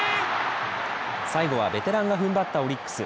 最後はベテランが踏ん張ったオリックス。